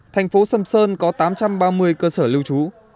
thành phố sầm sơn có tám trăm ba mươi cơ sở lưu trú